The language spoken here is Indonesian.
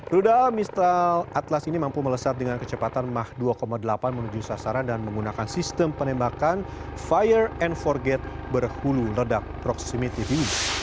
rudal mistral atlas ini mampu melesat dengan kecepatan mach dua delapan menuju sasaran dan menggunakan sistem penembakan fire and forget berhulu redak proximity